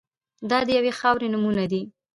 دا د یوې خاورې نومونه دي.